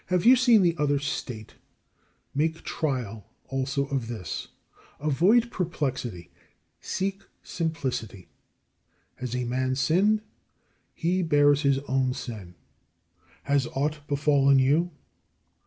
26. You have seen the other state, make trial also of this. Avoid perplexity; seek simplicity. Has a man sinned? He bears his own sin. Has aught befallen you?